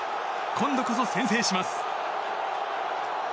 今度こそ先制します。